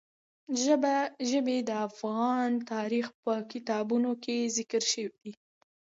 ژبې د افغان تاریخ په کتابونو کې ذکر شوی دي.